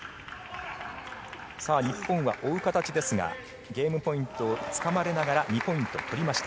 日本は追う形ですがゲームポイントをつかまれながら２ポイント取りました。